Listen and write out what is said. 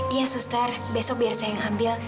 iya suster besok biar saya yang ambil